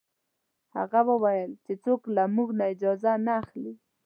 هغه وویل چې څوک له موږ نه اجازه نه اخلي.